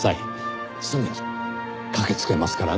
すぐに駆けつけますからね。